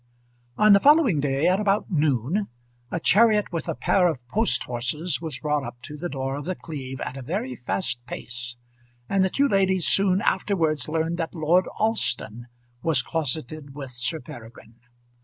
On the following day, at about noon, a chariot with a pair of post horses was brought up to the door of The Cleeve at a very fast pace, and the two ladies soon afterwards learned that Lord Alston was closeted with Sir Peregrine.